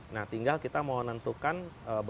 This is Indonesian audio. nah tinggal kita mau nentukan buffer stoknya berapa